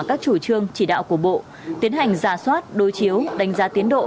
các chủ trương chỉ đạo của bộ tiến hành giả soát đối chiếu đánh giá tiến độ